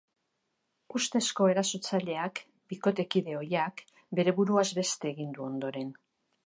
Ustezko erasotzaileak, bikotekide ohiak, bere buruaz beste egin du ondoren.